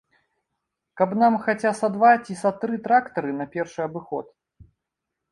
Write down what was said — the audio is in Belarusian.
Каб нам хаця са два ці са тры трактары на першы абыход.